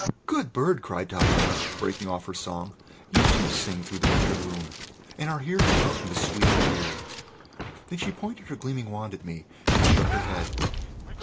"Good bird!" cried Titania, breaking off her song. "You, too, sing through the winter gloom, and are here to welcome the sweet o' the year." Then she pointed her gleaming wand at me, and shook her head.